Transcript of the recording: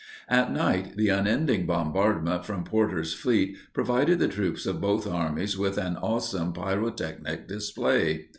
At night the unending bombardment from Porter's fleet provided the troops of both armies with an awesome pyrotechnic display.